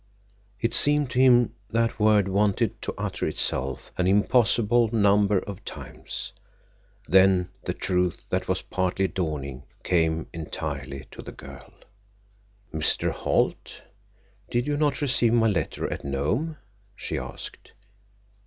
_" It seemed to him that word wanted to utter itself an impossible number of times. Then the truth that was partly dawning came entirely to the girl. "Mr. Holt, you did not receive my letter at Nome?" she asked.